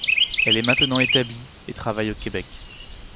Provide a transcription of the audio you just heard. Elle est maintenant établie et travaille au Québec.